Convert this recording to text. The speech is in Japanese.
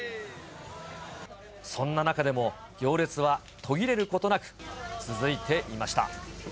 そんな中でも行列は途切れることなく続いていました。